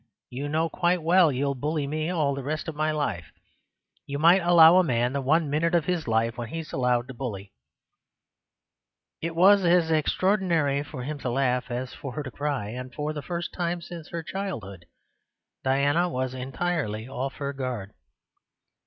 You know quite well you'll bully me all the rest of my life. You might allow a man the one minute of his life when he's allowed to bully." It was as extraordinary for him to laugh as for her to cry, and for the first time since her childhood Diana was entirely off her guard.